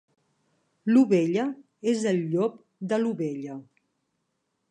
L'ovella és el llop de l'ovella.